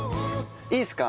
いいですか？